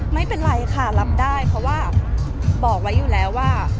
ไม่เป็นไรค่ะรับได้เพราะว่าบอกไว้อยู่แล้วว่า